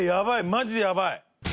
マジでやばい！